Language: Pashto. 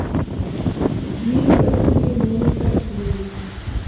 دوی وسلې نورو ته پلوري.